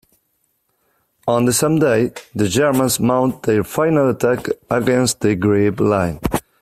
On the same day, the Germans mounted their final attack against the Grebbe Line.